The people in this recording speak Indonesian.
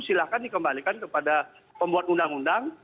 silahkan dikembalikan kepada pembuat undang undang